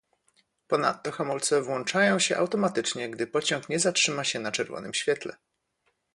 Ponadto hamulce włączają się automatycznie, gdy pociąg nie zatrzyma się na czerwonym świetle